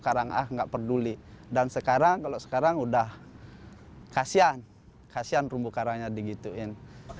karang ah nggak peduli dan sekarang kalau sekarang udah kasihan kasihan terumbu karangnya digituin